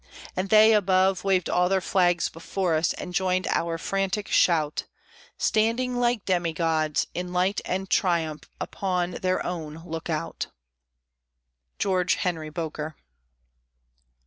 And they above waved all their flags before us, and joined our frantic shout, Standing, like demigods, in light and triumph upon their own Lookout! GEORGE HENRY BOKER.